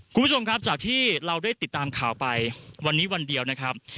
คุณผู้ชมครับจากที่เราได้ติดตามข่าวไปวันนี้วันเดียวนะครับ